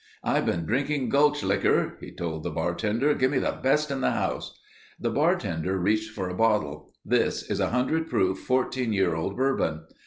"I've been drinking gulch likker," he told the bartender. "Give me the best in the house." The bartender reached for a bottle. "This is 100 proof 14 year old bourbon."